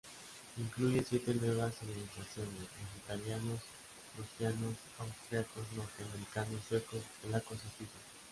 Incluye siete nuevas civilizaciones, los italianos, prusianos, austríacos, norteamericanos, suecos, polacos y suizos.